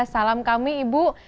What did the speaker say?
salam kami ibu